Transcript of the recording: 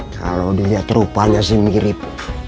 kalau dia terupanya mirip